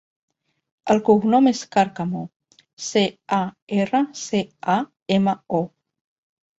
El cognom és Carcamo: ce, a, erra, ce, a, ema, o.